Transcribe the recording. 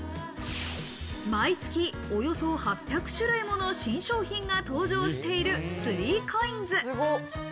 毎月およそ８００種類もの新商品が登場している３ＣＯＩＮＳ。